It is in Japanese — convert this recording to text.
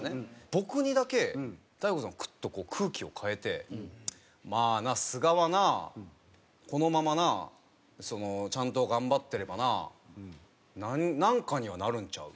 僕にだけ大悟さんクッとこう空気を変えて「まあなすがはなこのままなちゃんと頑張ってればななんかにはなるんちゃう？」